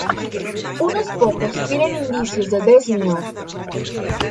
Unos pocos tienen indicios de Dezhniov.